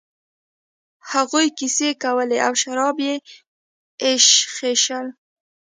هغوی کیسې کولې او شراب یې ایشخېشل.